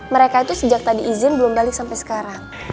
mereka itu sejak tadi izin belum balik sampai sekarang